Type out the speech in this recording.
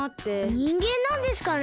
にんげんなんですかね？